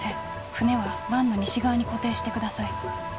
船は湾の西側に固定してください」。